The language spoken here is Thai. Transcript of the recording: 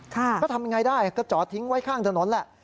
ก็ทำยังไงได้ก็จอดทิ้งไว้ข้างถนนแหละ